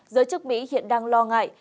giới chức mỹ hiện đang lo ngại